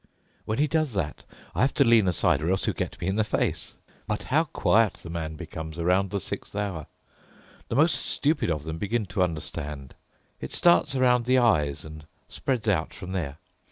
When he does that, I have to lean aside or else he'll get me in the face. But how quiet the man becomes around the sixth hour! The most stupid of them begin to understand. It starts around the eyes and spreads out from there.